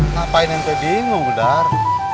ngapain ente bingung udhar